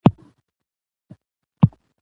د شخړو د حل لپاره باید قانوني لاري وکارول سي.